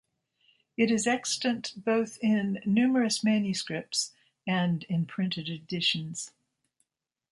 It is extant both in numerous manuscripts and in printed editions.